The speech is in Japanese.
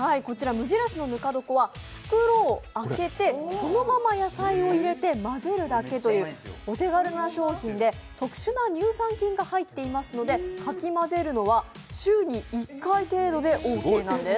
無印のぬか床は袋を開けてそのまま野菜を入れて、混ぜるだけというお手軽な商品で、特殊な乳酸菌が入っていますのでかき混ぜるのは週に１回程度でオーケーなんです。